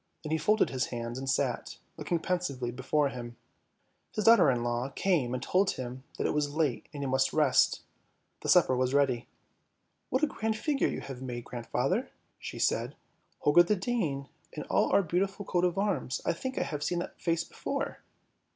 Then he folded his hands and sat, looking pensively before him. His daughter in law came and told him that it was late and he must rest, the supper was ready. " What a grand figure you have made, grandfather," she said. " Holger the Dane and all our beautiful coat of arms — I think I have seen that face before!